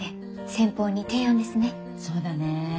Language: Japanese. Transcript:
そうだね。